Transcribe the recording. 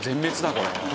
これ。